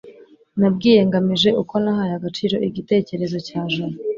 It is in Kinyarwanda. nabwiye ngamije uko nahaye agaciro igitekerezo cya jabo